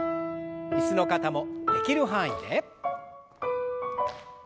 椅子の方もできる範囲で。